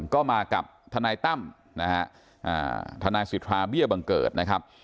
ก็มากับทนายตั้มนะฮะทนายสิทธาเบี้ยบังเกิดนะครับ